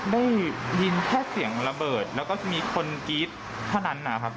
ได้ยินแค่เสียงระเบิดแล้วก็มีคนกรี๊ดเท่านั้นนะครับ